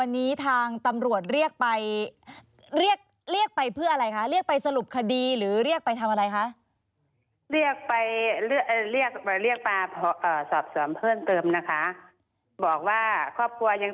นี่ท่านแรกที่จะแรกมาสอบสรรเพิ่มเติมนะคะบอกว่าครอบครัวยัง